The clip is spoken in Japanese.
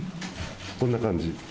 こんな感じ。